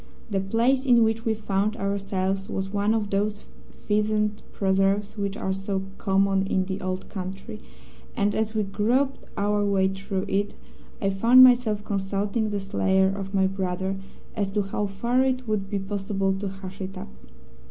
The place in which we found ourselves was one of those pheasant preserves which are so common in the Old Country, and as we groped our way through it I found myself consulting the slayer of my brother as to how far it would be possible to hush it up.